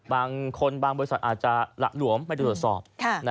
บางคนบางบริษัทอาจจะหละหลวมไม่ได้ตรวจสอบ